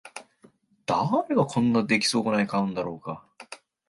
誰がこんな出来損ない買うんだろうか